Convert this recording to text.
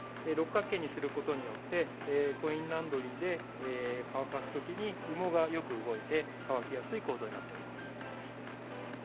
六角形にすることによって、コインランドリーで乾かすときに、羽毛がよく動いて、乾きやすい構造になっております。